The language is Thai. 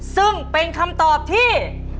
ซึ่งเป็นคำตอบที่